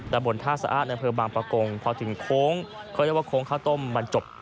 บนท่าสะอ้านอำเภอบางประกงพอถึงโค้งเขาเรียกว่าโค้งข้าวต้มมันจบ